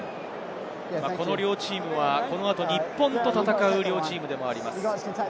この両チームは、このあと日本と戦う両チームでもあります。